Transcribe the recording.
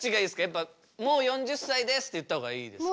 やっぱもう４０歳ですって言った方がいいですか？